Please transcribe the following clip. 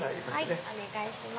はいお願いします。